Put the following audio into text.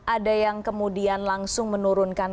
ada yang kemudian langsung menurunkan